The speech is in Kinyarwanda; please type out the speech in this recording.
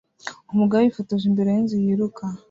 Umugabo yifotoje imbere yinzu yiruka